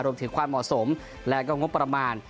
รวมถึงความเหมาะสมและก็งบประมาณ